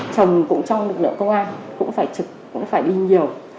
chồng cũng trong lực lượng công an cũng phải trực cũng phải đi nhiều